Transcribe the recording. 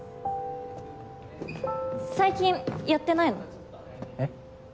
最近やってないの？え？